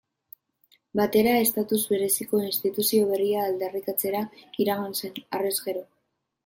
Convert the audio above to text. Batera estatus bereziko instituzio berria aldarrikatzera iragan zen, harrez gero.